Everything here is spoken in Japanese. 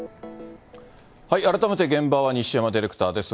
改めて現場は西山ディレクターです。